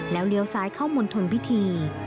แล้วเลี้ยวซ้ายเข้ามณฑลพิธี